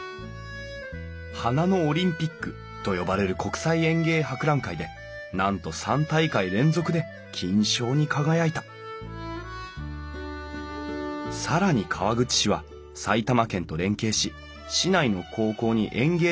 「花のオリンピック」と呼ばれる国際園芸博覧会でなんと３大会連続で金賞に輝いた更に川口市は埼玉県と連携し市内の高校に園芸デザイン科を創設。